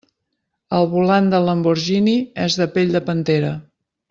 El volant del Lamborghini és de pell de pantera.